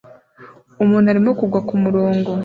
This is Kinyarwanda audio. Umuntu arimo kugwa kumurongo